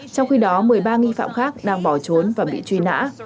trong khi đó một mươi ba nghi phạm khác đang bỏ trốn và bị truy nã